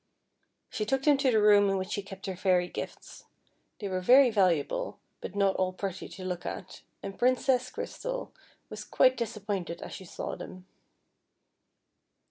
She took them to the room in which she kept her fairy gifts. They were very valuable, but not all pretty to look at, and Princess Crystal was quite dis appointed as she saw them.